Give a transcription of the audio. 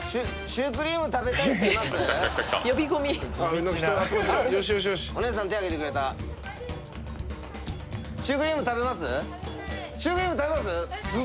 シュークリーム食べます？